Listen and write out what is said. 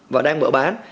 và đang mở bán